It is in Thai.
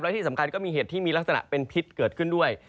และที่สำคัญก็มีเห็ดที่มีลักษณะเป็นพิษเกิดขึ้นด้วย